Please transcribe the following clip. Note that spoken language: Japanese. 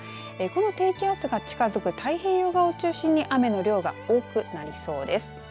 この低気圧が近づく太平洋側を中心に雨の量が多くなりそうです。